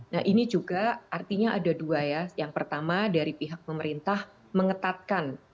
nah ini juga artinya ada dua ya yang pertama dari pihak pemerintah mengetatkan